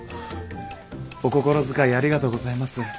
お心遣いありがとうございます。